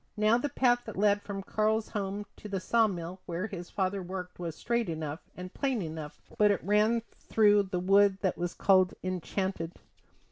Now the path that led from Karl's home to the saw mill where his father worked was straight enough, and plain enough, but it ran through the wood that was called Enchanted.